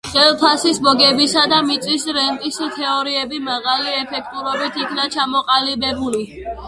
ხელფასის, მოგებისა და მიწის რენტის თეორიები მაღალი ეფექტურობით იქნა ჩამოყალიბებული.